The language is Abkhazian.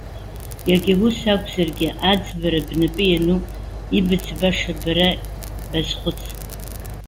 Иагьа ус акәзаргьы, аӡбара бнапы иануп, ибыӡбаша бара базхәыц.